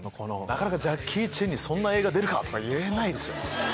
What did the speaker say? ジャッキー・チェンにそんな映画出るか！とか言えないですよ。